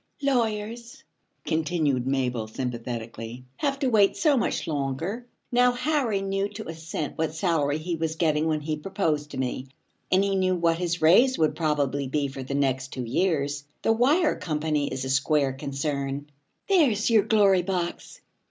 'Lawyers,' continued Mabel sympathetically, 'have to wait so much longer. Now Harry knew to a cent what salary he was getting when he proposed to me, and he knew what his raise would probably be for the next two years. The Wire Company is a square concern. There's your Glory Box!